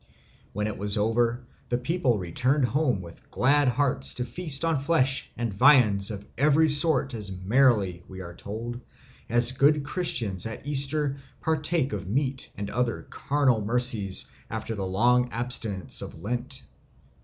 When it was over, the people returned home with glad hearts to feast on flesh and viands of every sort as merrily, we are told, as good Christians at Easter partake of meat and other carnal mercies after the long abstinence of Lent.